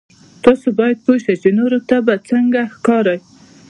تاسو باید پوه شئ چې نورو ته به څرنګه ښکارئ.